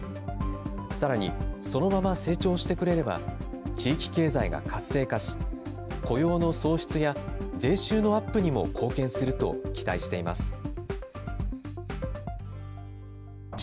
さらにそのまま成長してくれれば、地域経済が活性化し、雇用の創出や税収のアップにも貢献すると期待しています。